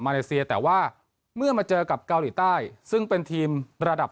เลเซียแต่ว่าเมื่อมาเจอกับเกาหลีใต้ซึ่งเป็นทีมระดับ